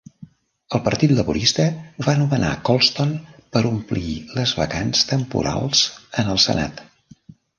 El Partit Laborista va nomenar Colston per omplir les vacants temporals en el Senat.